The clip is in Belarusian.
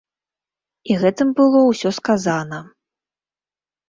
І гэтым было ўсё сказана.